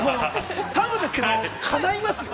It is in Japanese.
◆多分ですけど、かないますよ。